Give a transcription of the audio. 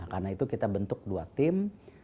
karena itu kita bentuk dua tim